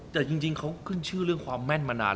แต่จริงเขาขึ้นชื่อเรื่องความแม่นมานาน